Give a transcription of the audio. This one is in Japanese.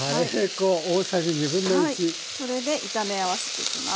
それで炒め合わせていきます。